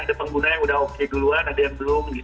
ada pengguna yang udah oke duluan ada yang belum